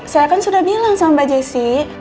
saya kan sudah bilang sama mbak jessi